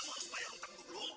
kamu harus bayar hutang dulu